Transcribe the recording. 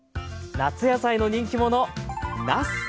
夏野菜の人気者なす！